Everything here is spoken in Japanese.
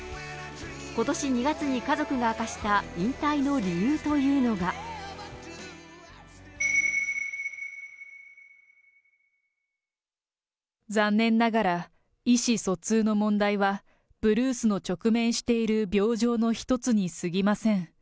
ことし２月に家族が明かした引退の理由というのが。残念ながら、意思疎通の問題はブルースの直面している病状の一つにすぎません。